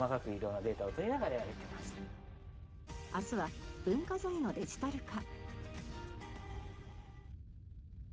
明日は文化財のデジタル化。